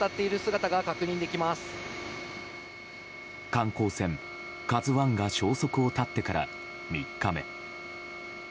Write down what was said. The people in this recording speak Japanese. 観光船「ＫＡＺＵ１」が消息を絶ってから３日目。